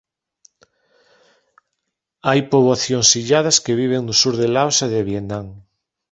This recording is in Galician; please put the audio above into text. Hai poboacións illadas que viven no sur de Laos e de Vietnam.